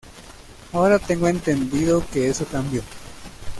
Ahora tengo entendido que eso cambió.